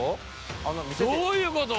どういうこと？